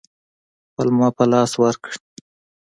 پلمه په لاس ورکړي.